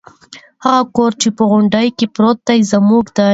هغه کور چې په غونډۍ پروت دی زموږ دی.